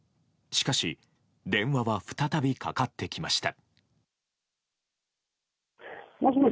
しかし電話は再びかかってきました。